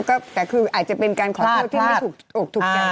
แต่คืออาจจะเป็นการขอเท้าที่ไม่ถูกกันกัน